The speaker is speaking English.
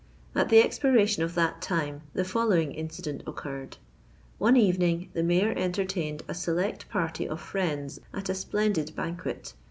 At the expiration of that time the following incident occurred. One evening, the Mayor entertained a select party of friends at a splendid banquet.